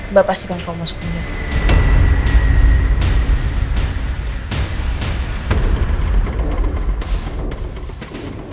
mbak pastikan kau masuk ke rumah